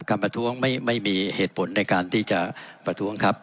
ประท้วงไม่มีเหตุผลในการที่จะประท้วงครับ